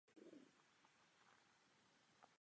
Člení se na Velké a Malé Antily.